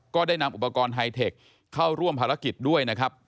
ได้นำอุปกรณ์ไฮเทคเข้าร่วมภารกิจด้วยนะครับ